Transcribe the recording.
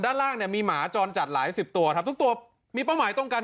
โดยล่างมีหมาจอดจัดหลายสิบตัวทุกตัวมีเป้าหมายตรงกัน